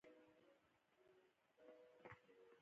- یوازې روغ، کلک، او بې له داغه یا زخم څخه پیاز انتخاب او وساتئ.